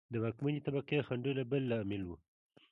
د واکمنې طبقې خنډونه بل لامل و.